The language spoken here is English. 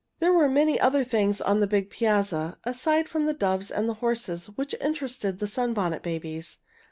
There were many other things on the big piazza, aside from the doves and the horses, which interested the Sunbonnet Babies.